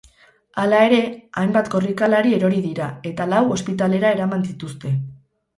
Hala ere, hainbat korrikalari erori dira, eta lau ospitalera eraman dituzte.